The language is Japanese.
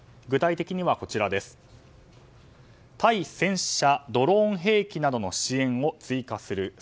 具体的には対戦車、ドローン兵器などの支援を追加する。